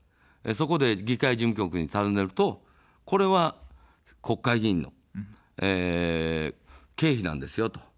そこで、議会事務局にたずねると、これは、国会議員の経費なんですよと。